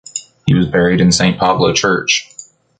He was buried in San Pablo Church.